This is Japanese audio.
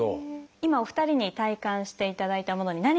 今お二人に体感していただいたものに何が入っているか。